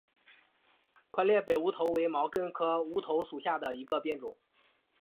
宽裂北乌头为毛茛科乌头属下的一个变种。